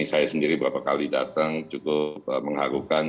saya sendiri beberapa kali datang cukup mengharukan